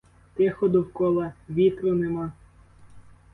Тихо довкола, вітру нема.